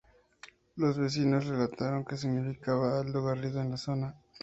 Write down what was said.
Los vecinos relataron que significaba Aldo Garrido en la zona.